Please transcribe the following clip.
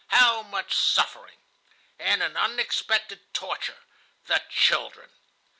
How much suffering! And an unexpected torture,—the children!